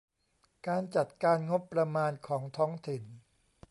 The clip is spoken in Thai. การจัดการงบประมาณของท้องถิ่น